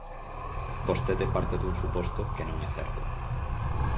Vostede parte dun suposto que non é certo.